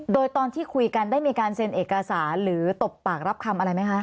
โดยตอนที่คุยกันได้มีการเซ็นเอกสารหรือตบปากรับคำอะไรไหมคะ